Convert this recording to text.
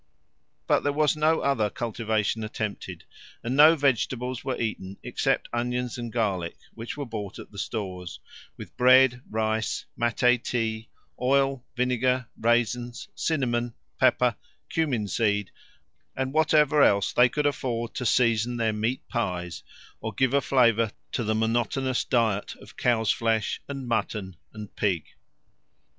But there was no other cultivation attempted, and no vegetables were eaten except onions and garlic, which were bought at the stores, with bread, rice, mate tea, oil, vinegar, raisins, cinnamon, pepper, cummin seed, and whatever else they could afford to season their meat pies or give a flavour to the monotonous diet of cow's flesh and mutton and pig.